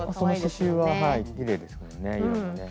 その刺しゅうははいきれいですからね色がね。